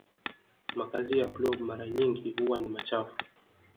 makazi ya blob mara nyingi huwa ni machafu